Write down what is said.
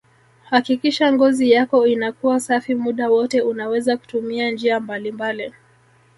Hakikisha ngozi yako inakuwa safi muda wote unaweza kutumia njia mbalimbali